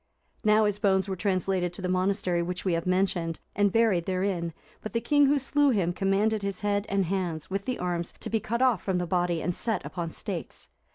Now his bones were translated to the monastery which we have mentioned, and buried therein: but the king who slew him commanded his head, and hands, with the arms, to be cut off from the body, and set upon stakes.